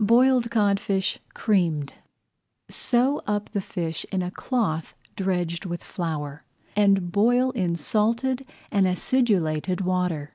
BOILED CODFISH CREAMED Sew up the fish in a cloth dredged with flour, and boil in salted and acidulated water.